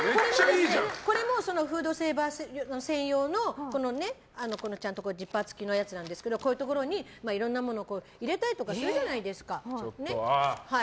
これもフードセーバー専用のジッパー付きのやつなんですけどこういうところにいろんなものを入れたりとかするじゃないですか。